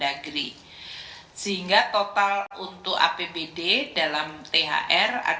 oke ususnya ini fathers ahaan passport kan data yang